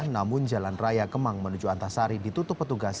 namun jalan raya kemang menuju antasari ditutup petugas